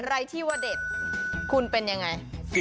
อะไรที่ว่าเด็ดคุณเป็นยังไง